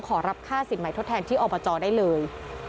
ขอรับค่าสินใหม่ทดแทนที่อบจได้เลย